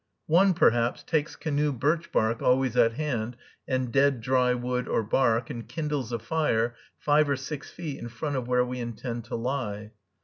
One, perhaps, takes canoe birch bark, always at hand, and dead dry wood or bark, and kindles a fire five or six feet in front of where we intend to lie.